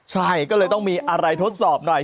ใช่ก็เลยต้องมีอะไรทดสอบหน่อย